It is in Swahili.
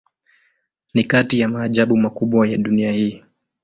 Ni kati ya maajabu makubwa ya dunia hii.